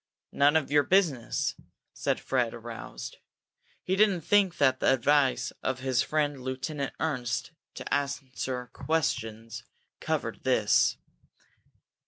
"None of your business!" said Fred, aroused. He didn't think that the advice of his friend Lieutenant Ernst to answer questions covered this.